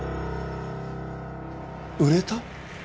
売れた？